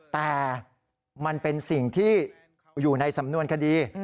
แต่มันเป็นสิ่งที่อยู่ในสำนวนคดี